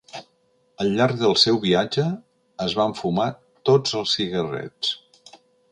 Al llarg del seu viatge, es van fumar tots els cigarrets.